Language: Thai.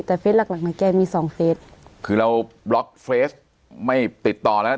แต่เฟสหลักหลักของแกมีสองเฟสคือเราบล็อกเฟสไม่ติดต่อแล้ว